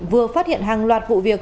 vừa phát hiện hàng loạt vụ việc